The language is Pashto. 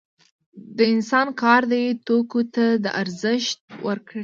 د انسان کار دې توکو ته ارزښت ورکړی دی